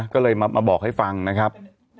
ก็เลยมาบอกให้ฟังนะครับ